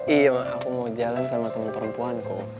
iya mak aku mau jalan sama teman perempuanku